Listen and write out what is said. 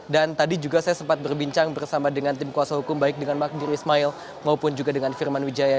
dan tadi juga saya sempat berbincang bersama dengan tim kuasa hukum baik dengan magdir ismail maupun juga dengan firman wijaya